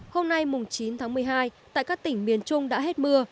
hôm nay chín tháng một mươi hai tại các tỉnh miền trung đã hết mưa